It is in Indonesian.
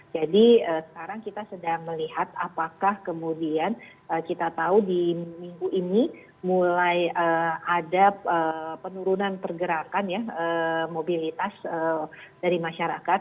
jadi sekarang kita sedang melihat apakah kemudian kita tahu di minggu ini mulai ada penurunan pergerakan ya mobilitas dari masyarakat